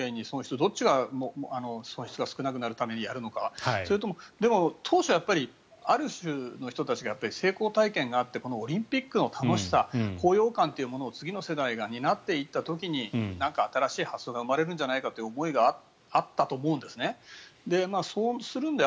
どっちが損失が少なくなるためにやるのかそれとも、当初はある種の人たちが成功体験があってこのオリンピックの楽しさ高揚感を次の世代が担っていった時になんか新しい発想が生まれるんじゃないかという思いがあったと思うんです。